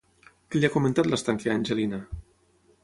Què li ha comentat l'estanquer a Angelina?